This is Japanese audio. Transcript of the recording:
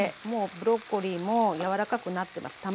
もうブロッコリーも柔らかくなってます。